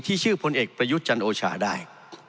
ชื่อพลเอกประยุทธ์จันโอชาได้